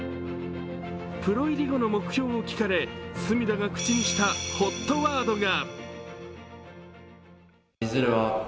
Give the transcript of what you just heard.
プロ入り後の目標を聞かれ、隅田が口にしたＨＯＴワードが。